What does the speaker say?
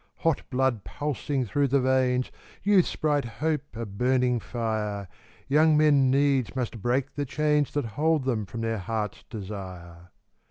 Hot blood pulsing through the veins, Youth's high hope a burning fire, Young men needs must break the chains That hold them from their hearts' desire.